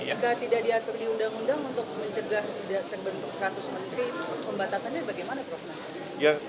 jika tidak diatur di undang undang untuk mencegah tidak terbentuk seratus menteri pembatasannya bagaimana prof